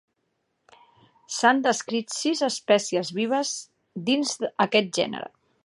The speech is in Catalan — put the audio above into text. S'han descrit sis espècies vives dins aquest gènere.